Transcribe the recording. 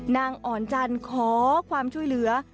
นางอ่อนจันทร์ขอความช่วยเหลือ